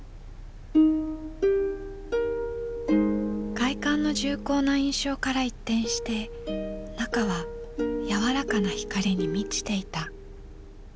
外観の重厚な印象から一転して中は柔らかな光に満ちていた。